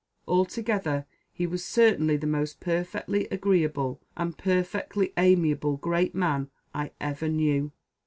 Altogether he was certainly the most perfectly agreeable and perfectly amiable great man I ever knew."